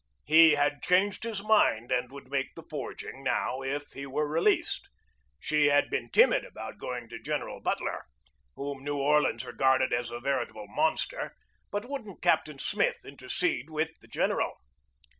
He had changed his mind and would make the forging now if he were released. She had been timid about going to Gen eral Butler whom New Orleans regarded as a veri table monster but wouldn't Captain Smith inter cede with the general